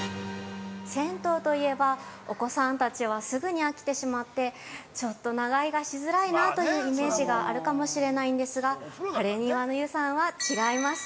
◆銭湯といえば、お子さんたちはすぐに飽きてしまってちょっと長居がしづらいなというイメージがあるかもしれないんですが、ハレニワの湯さんは違います。